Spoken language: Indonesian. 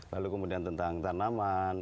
lalu kemudian tentang tanaman